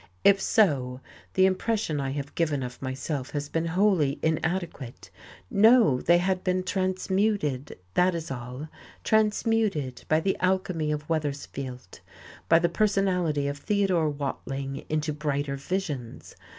If so, the impression I have given of myself has been wholly inadequate. No, they had been transmuted, that is all, transmuted by the alchemy of Weathersfield, by the personality of Theodore Watling into brighter visions.